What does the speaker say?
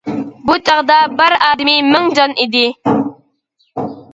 بۇ چاغدا بار ئادىمى مىڭ جان ئىدى.